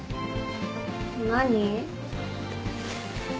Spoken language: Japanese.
何？